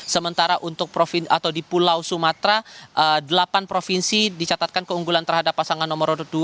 sementara untuk di pulau sumatera delapan provinsi dicatatkan keunggulan terhadap pasangan nomor dua